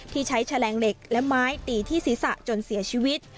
ที่ใช้แฉลงเหล็กและไม้ตีที่ศีรษะจนเสียชีวิต